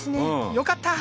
よかった。